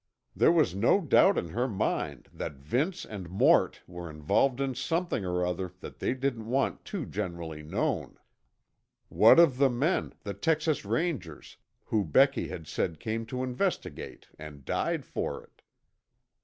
There was no doubt in her mind that Vince and Mort were involved in something or other that they didn't want too generally known. What of the men, the Texas Rangers, who Becky had said came to investigate and died for it?